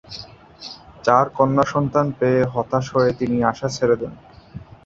চার কন্যা সন্তান পেয়ে হতাশ হয়ে তিনি আশা ছেড়ে দেন।